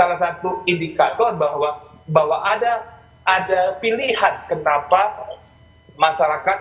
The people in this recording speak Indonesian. itu indikator bahwa ada pilihan kenapa masyarakat